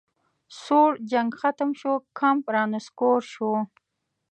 سوړ جنګ ختم شو کمپ رانسکور شو